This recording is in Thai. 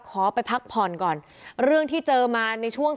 ขอไปพักผ่อนก่อนเรื่องที่เจอมาในช่วง